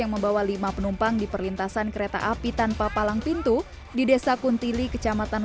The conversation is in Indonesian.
membawa lima penumpang diperlintasan kereta api tanpa palang pintu di desa kuntili kecamatan